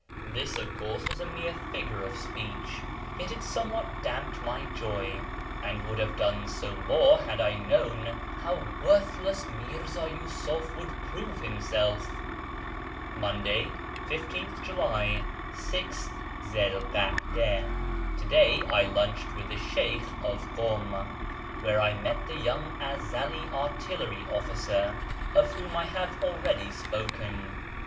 This, of course was a mere figure of speech, yet it somewhat damped my joy, and would have done so more had I known how worthless Mirza Yiisuf would prove himself. Monday, 15th July, 6th Zi 'l kada. — To day I lunched with tbe Sheykh of Kum, where I met the young Ezeli artillery officer of whom I have already spoken.